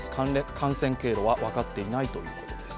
感染経路は分かっていないということです。